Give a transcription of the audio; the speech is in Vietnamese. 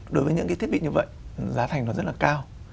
đối với những cái thiết bị như vậy giá thành nó rất là cao